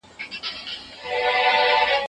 زه چي کلونه د رقیب وینو ته تږی ومه